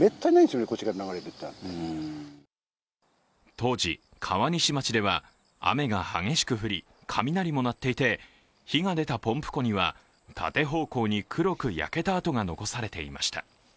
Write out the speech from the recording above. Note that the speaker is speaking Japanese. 当時、川西町では雨が激しく降り、雷も鳴っていて火が出たポンプ庫には縦方向に黒く焼けた跡が残されていました。